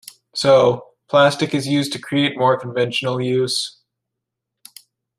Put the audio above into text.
So, plastic is used to create more conventional use.